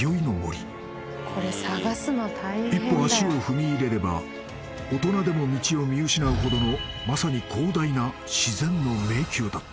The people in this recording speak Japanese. ［一歩足を踏み入れれば大人でも道を見失うほどのまさに広大な自然の］